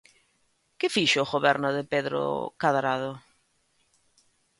¿Que fixo o Goberno de Pedro Cadrado?